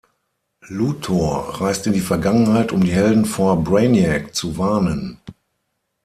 Luthor reist in die Vergangenheit um die Helden vor Brainiac zu warnen.